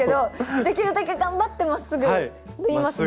できるだけ頑張ってまっすぐ縫いますね。